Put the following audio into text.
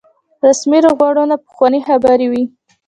رسمي روغبړونه پخوانۍ خبرې وي.